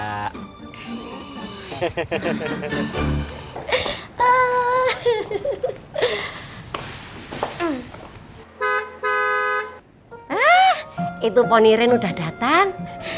hah itu poni ren udah datang